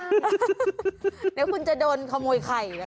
เดี๋ยวคุณจะโดนขโมยใคร